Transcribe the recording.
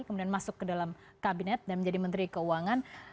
kemudian masuk ke dalam kabinet dan menjadi menteri keuangan